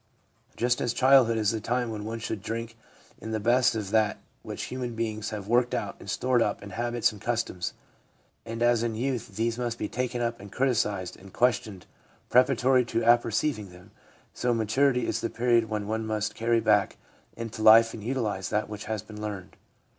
Just as childhood is the time when one should drink in the best of that which human beings have worked out and stored up in habits and customs, and as in youth these must be taken up and criticised and questioned preparatory to apperceiving them, so maturity is the period when one must carry back into life and utilise that which has been learned.